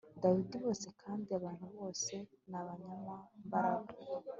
dawidi bose kandi abantu bose n abanyambaraga